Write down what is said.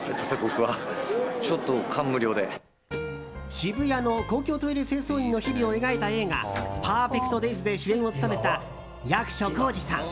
渋谷の公共トイレ清掃員の日々を描いた映画「ＰＥＲＦＥＣＴＤＡＹＳ」で主演を務めた役所広司さん